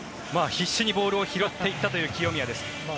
必死にボールを拾っていったという清宮です。